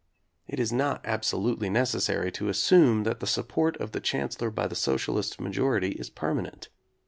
It is not absolutely necessary to assume that the support of the Chancellor by the socialist majority is permanent.